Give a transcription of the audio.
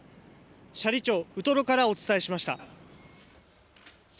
斜里町ウトロからお伝えしました。